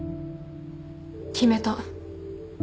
決めた。